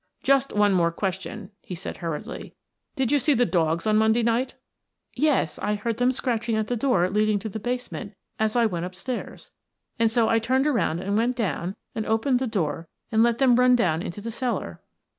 "Just one more question," he said hurriedly. "Did you see the dogs on Monday night?" "Yes. I heard them scratching at the door leading to the basement as I went upstairs, and so I turned around and went down and opened the door and let them run down into the cellar."